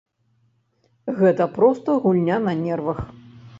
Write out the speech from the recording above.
Гэта проста гульня на нервах.